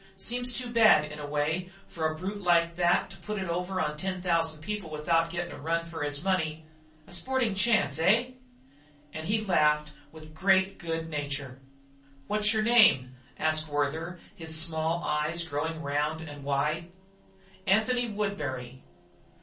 Seems too bad, in a way, for a brute like that to put it over on ten thousand people without getting a run for his money a sporting chance, eh?" And he laughed with great good nature. "What's your name?" asked Werther, his small eyes growing round and wide. "Anthony Woodbury."